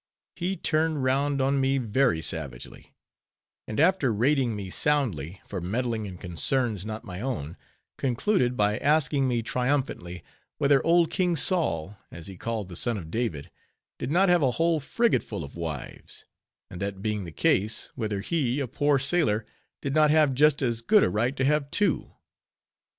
He turned round on me, very savagely; and after rating me soundly for meddling in concerns not my own, concluded by asking me triumphantly, whether old King Sol, as he called the son of David, did not have a whole frigate full of wives; and that being the case, whether he, a poor sailor, did not have just as good a right to have two?